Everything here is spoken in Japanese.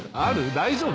大丈夫？